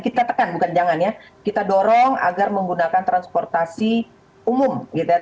kita tekan bukan jangan ya kita dorong agar menggunakan transportasi umum